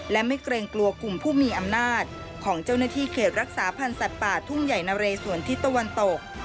และไม่เกรงกลัวกลุ่มผู้มีอำนาจของเจ้าหน้าที่เขตรักษาพันธ์สัตว์ป่าทุ่งใหญ่นะเรสวนทิศตะวันตก